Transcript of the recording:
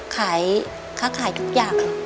ขายค้าขายทุกอย่างค่ะ